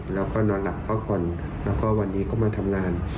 แล้วก็นอนหลับพักผ่อนแล้วก็วันนี้ก็มาทำงาน